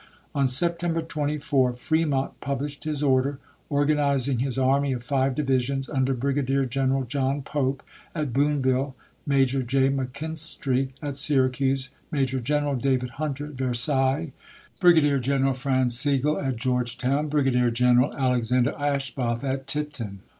On September 24 Fremont isei. published his order, organizing his army of five divisions, under Brigadier General John Pope at Boonville, Major J. McKinstry at Syracuse, Major General David Hunter at Versailles, Brigadier General Franz Sigel at Georgetown, Brigadier w. r. General Alexander Asboth at Tipton.